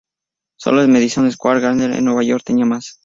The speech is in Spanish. Sólo el Madison Square Garden en Nueva York tenía más.